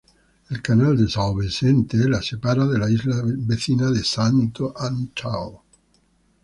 El canal de São Vicente la separa de la isla vecina de Santo Antão.